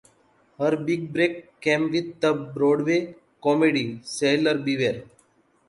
Her big break came with the Broadway comedy "Sailor Beware".